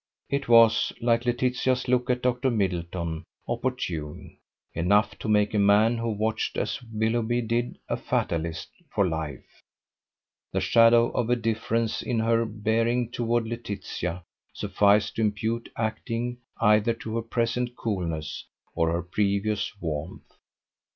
It was, like Laetitia's look at Dr. Middleton, opportune: enough to make a man who watched as Willoughby did a fatalist for life: the shadow of a difference in her bearing toward Laetitia sufficed to impute acting either to her present coolness or her previous warmth.